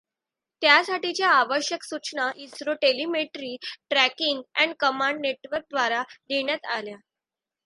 त्यासाठीच्या आवश्यक सूचना ISRO telemetry, tracking and command network द्वारा देण्यात आल्या.